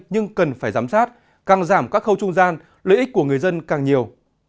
nhưng cần phải giám sát càng giảm các khâu trung gian lợi ích của người dân càng nhiều